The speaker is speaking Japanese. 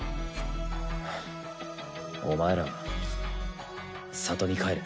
お前らは里に帰れ。